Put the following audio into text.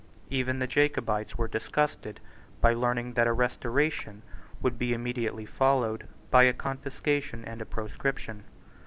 Even the Jacobites were disgusted by learning that a Restoration would be immediately followed by a confiscation and a proscription.